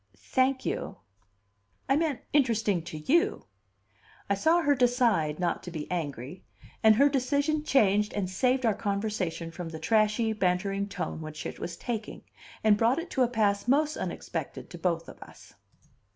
"Thank you." "I meant, interesting to you." I saw her decide not to be angry; and her decision changed and saved our conversation from the trashy, bantering tone which it was taking, and brought it to a pass most unexpected to both of us.